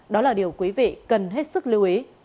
đó là điều quý vị cần hết sức lưu ý